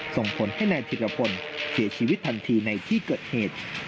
ส่งผลให้นายธิรพลเสียชีวิตทันทีในที่เกิดเหตุ